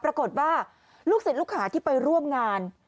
ปรากฏว่าลูกศิษย์ลูกหาที่ไปร่วมงาน